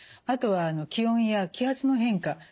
あとは気温や気圧の変化